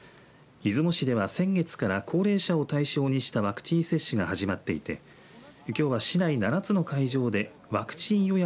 出雲市では先月から高齢者を対象にしたワクチン接種が始まっていてきょうは市内７つの会場でワクチン予約